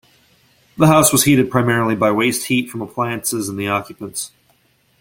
The house was heated primarily by waste heat from appliances and the occupants.